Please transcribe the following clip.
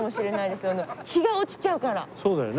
そうだよね。